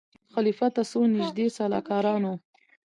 خلیفه ته څو نیژدې سلاکارانو